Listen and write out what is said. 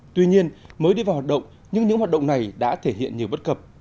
tuy nhiên mới đi vào hoạt động nhưng những hoạt động này đã thể hiện nhiều bất cập